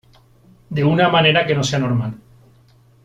de una manera que no sea normal .